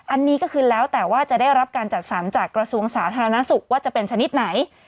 อันนี้ก็คือแล้วแต่ว่าจะได้รับการจัดสรรจากกระทรวงสาธารณสุขว่าจะเป็นชนิดไหน